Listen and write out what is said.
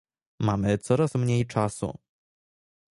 Mamy coraz mniej czasu